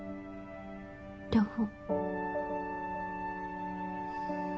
両方。